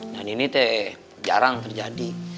nah ini teh jarang terjadi